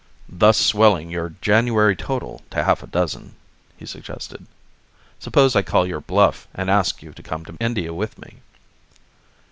"Thus swelling your January total to half a dozen," he suggested. "Suppose I call your bluff and ask you to come to India with me?"